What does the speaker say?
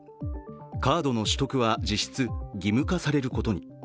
カードの取得は実質義務化されることに。